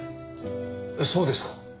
そうですか？